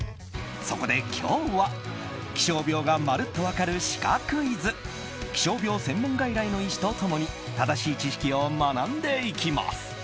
そこで今日は気象病がまるっと分かるシカクイズ気象病専門外来の医師と共に正しい知識を学んでいきます。